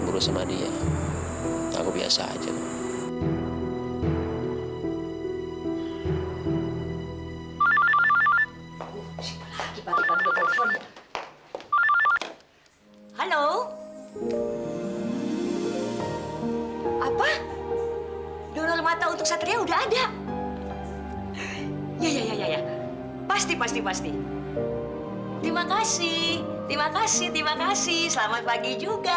mama mama jangan begini